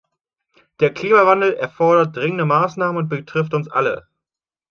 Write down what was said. Der Klimawandel erfordert dringende Maßnahmen und betrifft uns alle.